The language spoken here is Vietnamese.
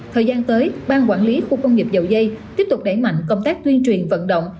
thời gian tới ban quản lý khu công nghiệp dầu dây tiếp tục đẩy mạnh công tác tuyên truyền vận động